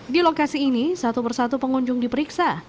di lokasi ini satu persatu pengunjung diperiksa